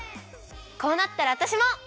こうなったらわたしも！